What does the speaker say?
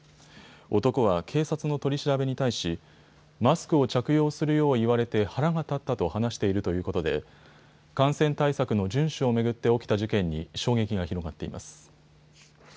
男は警察の取り調べに対しマスクを着用するよう言われて腹が立ったと話しているということで感染対策の順守を巡って起きた事件に衝撃が広がっています。